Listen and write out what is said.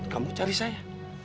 kamu cari saya